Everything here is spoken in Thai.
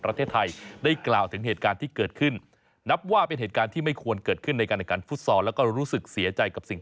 ร่างกายนั้นถือว่าเป็นคดีอาญาครับ